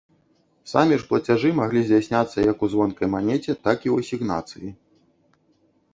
Самі ж плацяжы маглі здзяйсняцца як у звонкай манеце, так і ў асігнацыі.